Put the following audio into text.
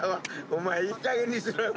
お前いいかげんにしろよ。